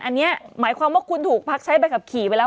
อันนี้หมายความว่าคุณถูกพักใช้ใบขับขี่ไปแล้ว